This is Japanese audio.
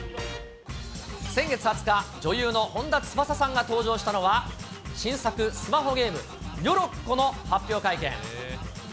先月２０日、女優の本田翼さんが登場したのは、新作スマホゲーム、にょろっこの発表会見。